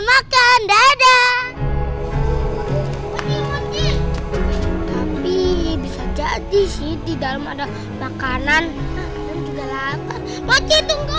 makan dadah tapi bisa jadi sih di dalam ada makanan makin tunggu